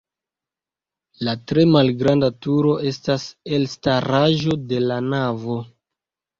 La tre malgranda turo estas elstaraĵo de la navo.